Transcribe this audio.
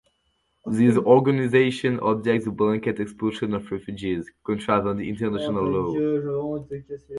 These organization object the blanket expulsion of refugees contravened international law.